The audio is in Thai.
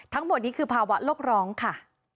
ทั้งหมดนี้คือภาวะโลกร้องค่ะ